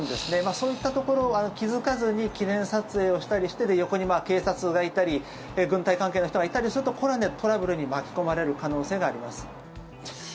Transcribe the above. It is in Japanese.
そういったところ気付かずに記念撮影をしたりして横に警察がいたり軍隊関係の人がいたりするとこれはトラブルに巻き込まれる可能性があります。